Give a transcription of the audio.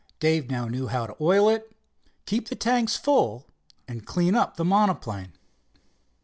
Dave now knew how to oil it, keep the tanks full and clean up the monoplane.